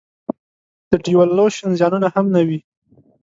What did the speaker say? د devaluation زیانونه هم نه وي.